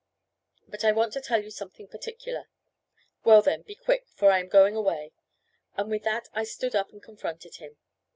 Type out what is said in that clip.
But I want to tell you something particular." "Well, then, be quick, for I am going away." And with that I stood up and confronted him.